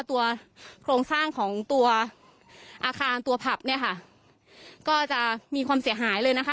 ตัวโครงสร้างของตัวอาคารตัวผับเนี่ยค่ะก็จะมีความเสียหายเลยนะคะ